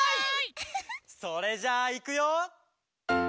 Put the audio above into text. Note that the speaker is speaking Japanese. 「それじゃあいくよ」